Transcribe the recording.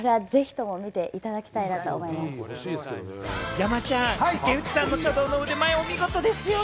山ちゃん、竹内さんの書道の腕前、見事ですよね！